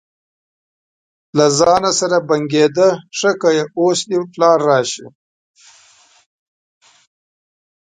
له ځانه سره یې بنګېده: ښه که اوس دې پلار راشي.